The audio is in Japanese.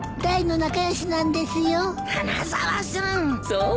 そう。